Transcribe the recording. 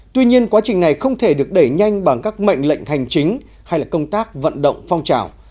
tuy nhiên quá trình này không thể được đẩy nhanh bằng các mệnh lệnh hành chính hay là công tác vận động phong trào